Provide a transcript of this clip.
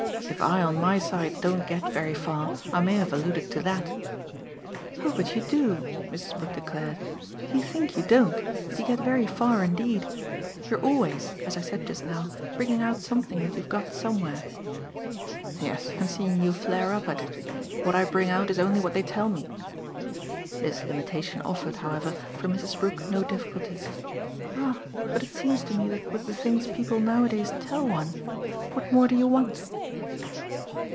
If I on my side don't get very far I may have alluded to THAT." "Oh but you do," Mrs. Brook declared. "You think you don't, but you get very far indeed. You're always, as I said just now, bringing out something that you've got somewhere." "Yes, and seeing you flare up at it. What I bring out is only what they tell me." This limitation offered, however, for Mrs. Brook no difficulty. "Ah but it seems to me that with the things people nowadays tell one ! What more do you want?"